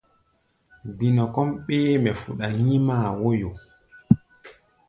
Gbinɔ kɔ́ʼm ɓéémɛ fuɗa nyímáa wóyo.